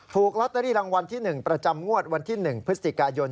ถูกลอตเตอรี่รางวัลที่๑ประจำงวดวันที่๑พฤศจิกายน